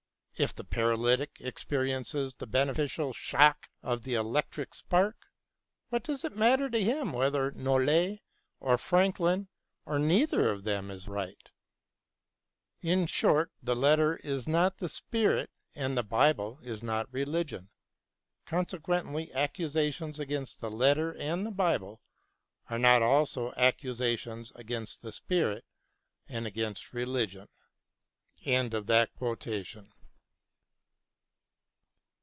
If the paralytic experiences the beneficial shock of the electric spark, what does it matter to him whether Nollet or Franklin or neither of them is right i In short, the letter is not the spirit and the Bible is not religion. Consequently, accusations against the letter and the Bible are not also accusations against the spirit and against religion.